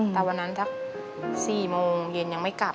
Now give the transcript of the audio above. แต่วันนั้นถ้า๔โมงเย็นยังไม่กลับ